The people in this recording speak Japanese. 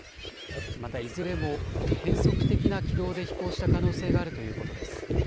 また、いずれも変則的な軌道で飛行した可能性があるということです。